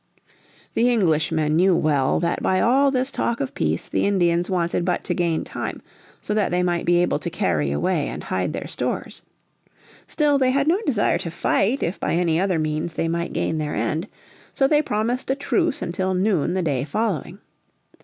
The Englishmen knew well that by all this talk of peace the Indians wanted but to gain time so that they might be able to carry away and hide their stores. Still they had no desire to fight if by any other means they might gain their end. So they promised a truce until noon the day following.